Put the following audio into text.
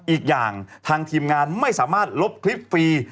อีกอย่างทางทีมงานไม่สามารถลบคลิปฟรี